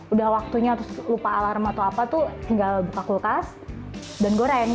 udah waktunya terus lupa alarm atau apa tuh tinggal buka kulkas dan goreng